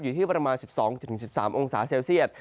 อยู่ที่ประมาณ๑๒๑๓องศาเซลเซียต